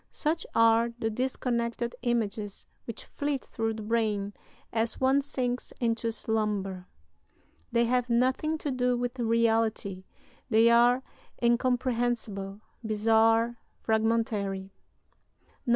Such are the disconnected images which flit through the brain as one sinks into slumber. They have nothing to do with reality; they are incomprehensible, bizarre, fragmentary. "[IV.